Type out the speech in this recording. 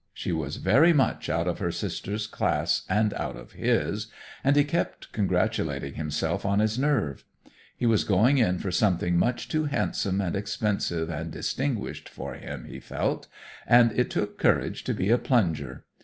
She was very much out of her sisters' class and out of his, and he kept congratulating himself on his nerve. He was going in for something much too handsome and expensive and distinguished for him, he felt, and it took courage to be a plunger.